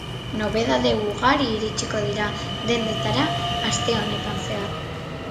Nobedade ugari iritsiko dira dendetara aste honetan zehar.